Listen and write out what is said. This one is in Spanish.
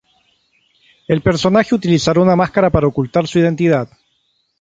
El personaje utilizará una máscara para ocultar su identidad.